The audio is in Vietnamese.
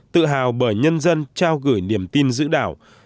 tự hào bởi nhân dân trao gửi niềm tin giữ đảo